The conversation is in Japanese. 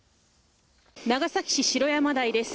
長崎市城山台です。